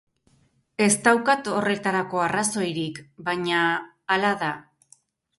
Ez daukat horretarako arrazoirik, baina... Hala da.